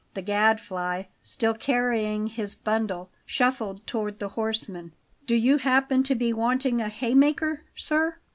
The Gadfly, still carrying his bundle, shuffled towards the horseman. "Do you happen to be wanting a hay maker, sir?"